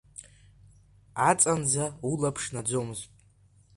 Аҵанӡа улаԥш наӡомызт.